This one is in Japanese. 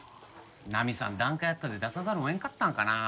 ナミさん檀家やったで出さざるを得んかったんかな。